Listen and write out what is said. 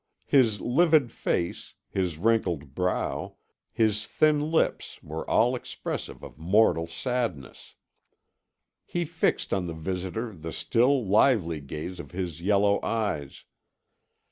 His livid face, his wrinkled brow, his thin lips were all expressive of mortal sadness. He fixed on the visitor the still lively gaze of his yellow eyes.